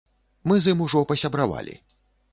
Мы з ім ужо пасябравалі.